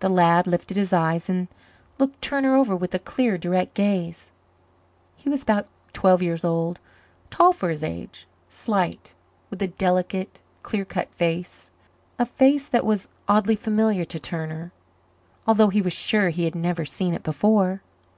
The lad lifted his eyes and looked Turner over with a clear, direct gaze. He was about twelve years old, tall for his age, slight, with a delicate, clear cut face a face that was oddly familiar to Turner, although he was sure he had never seen it before.